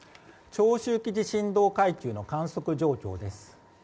長周期地震動階級の観測状況です。